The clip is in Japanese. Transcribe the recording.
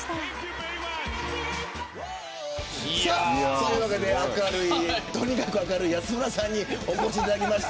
そういうわけでとにかく明るい安村さんにお越しいただきました。